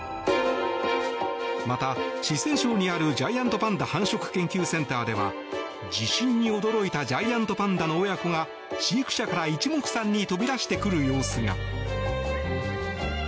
また、四川省にあるジャイアントパンダ繁殖研究センターでは地震に驚いたジャイアントパンダの親子が飼育舎から一目散に飛び出してくる様子が。